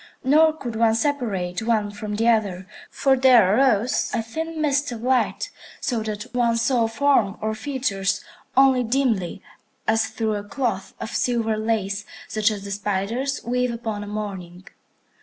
Nor could one separate one from the other, for there arose a thin mist of light, so that one saw form or features only dimly, as through a cloth of silver lace, such as the spiders weave upon a morning.